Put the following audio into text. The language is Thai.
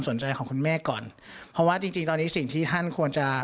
ของคุณแม่ก่อนเพราะว่าจริงจริงตอนนี้สิ่งที่ท่านควรจะ